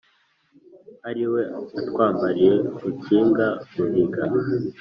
ari we atwambariye rukinga ruhiga.